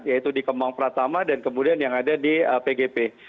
yaitu di kemang pratama dan kemudian yang ada di pgp